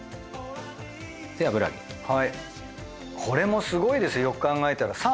これもすごいですよよく考えたら。